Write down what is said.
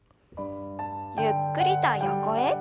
ゆっくりと横へ。